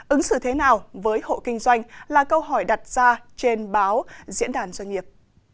ứng xử thế nào với hộ kinh doanh là câu hỏi đặt ra trên báo diễn đàn doanh nghiệp